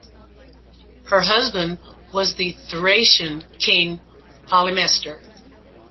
Her husband was the Thracian king Polymestor.